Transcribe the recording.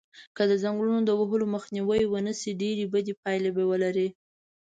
که د ځنګلونو د وهلو مخنیوی و نشی ډیری بدی پایلی به ولری